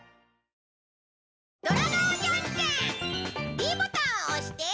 ｄボタンを押して。